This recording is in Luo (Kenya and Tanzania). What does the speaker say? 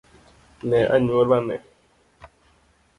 ne anyuolane